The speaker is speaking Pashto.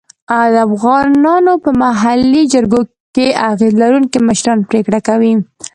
د افغانانو په محلي جرګو کې اغېز لرونکي مشران پرېکړه کوي.